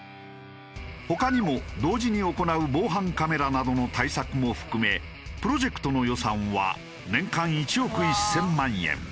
他にも同時に行う防犯カメラなどの対策も含めプロジェクトの予算は年間１億１０００万円。